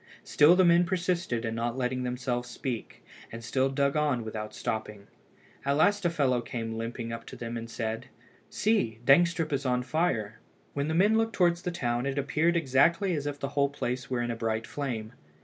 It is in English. Still the men persisted in not letting themselves speak, and still dug on without stopping. At last a fellow came limping up to them and said "See, Dangstrup is on fire!" When the men looked towards the town, it appeared exactly as if the whole place were in a bright flame.